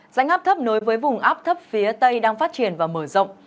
rãnh áp thấp nối với vùng áp thấp phía tây đang phát triển và mở rộng